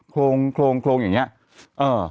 โครงโครงโครงอย่างงี้